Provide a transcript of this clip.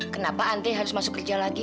kenapa antri harus masuk kerja lagi